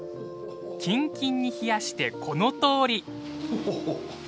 キンキンに冷やして、このとおり。